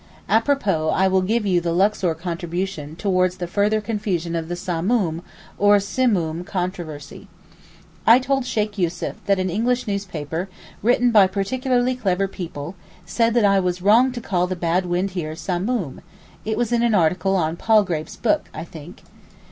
Apropos, I will give you the Luxor contribution towards the further confusion of the Samoom (or Simoom) controversy. I told Sheykh Yussuf that an English newspaper, written by particularly clever people, said that I was wrong to call the bad wind here 'Samoom,' (it was in an article on Palgrave's book, I think).